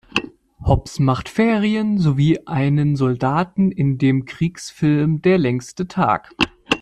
Hobbs macht Ferien" sowie einen Soldaten in dem Kriegsfilm "Der längste Tag.